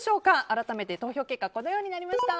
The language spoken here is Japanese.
改めて、投票結果はこのようになりました。